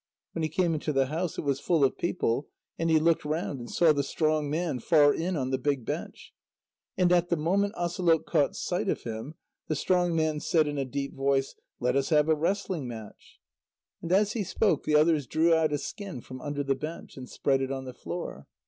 When he came into the house, it was full of people, and he looked round and saw the strong man far in on the big bench. And at the moment Asalôq caught sight of him, the strong man said in a deep voice: "Let us have a wrestling match." And as he spoke, the others drew out a skin from under the bench, and spread it on the floor.